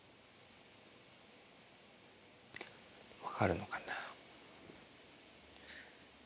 分かるのかな。